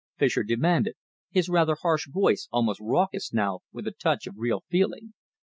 Fischer demanded, his rather harsh voice almost raucous now with a touch of real feeling.